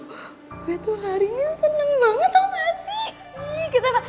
gue tuh hari ini seneng banget tau gak sih